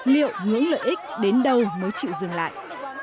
liệu hướng lợi ích đến đâu mới chịu dừng lại